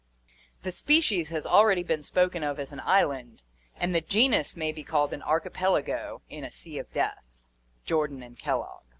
The species has already been spoken of as an island and the genus may be called an archipelago in a sea of death (Jordan and Kellogg).